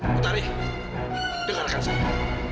putari dengarkan saya